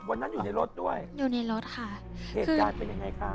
ก็เป่นไหนฯคะ